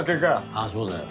ああそうだよ。